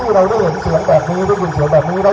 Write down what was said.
ที่เราเห็นฉลังแบบนี้เราคิดกับออะไรหรือครับ